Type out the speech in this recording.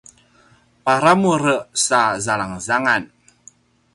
paramur sa zalangzangan